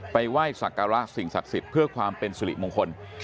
ไหว้สักการะสิ่งศักดิ์สิทธิ์เพื่อความเป็นสุริมงคล